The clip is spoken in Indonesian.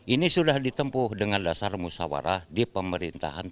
ini sudah ditempuh dengan dasar musawarah di pemerintahan